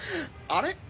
あれ？